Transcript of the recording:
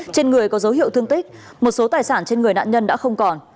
trên người có dấu hiệu thương tích một số tài sản trên người nạn nhân đã không còn